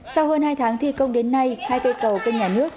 sau hơn hai tháng thi công đến nay hai cây cầu kênh nhà nước